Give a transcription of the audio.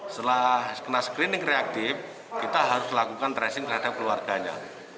setelah kena screening reaktif kita harus lakukan tracing terhadap keluarganya